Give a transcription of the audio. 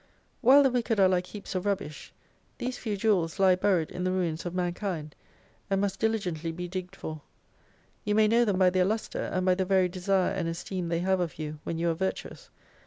While the wicked are like heaps of rubbish, these few jewels lie buried in the ruins of mankind : and must dihgently be digged for. You may know them by their lustre, and by the very'desire and esteem they have of you when you are virtuous.